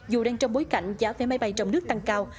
dù đang trong bối cảnh giá vé máy bay trong nước tăng cao